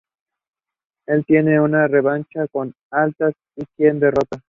Él tiene una revancha con Atlas, a quien derrota.